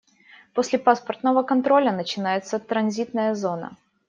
После паспортного контроля начинается транзитная зона.